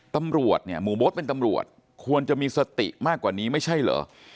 ตำรวจเนี่ยหมู่โบ๊ทเป็นตำรวจควรจะมีสติมากกว่านี้ไม่ใช่เหรอ